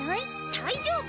大丈夫！